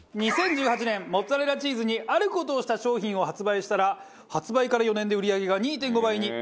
２０１８年モッツァレラチーズにある事をした商品を発売したら発売から４年で売り上げが２．５倍に。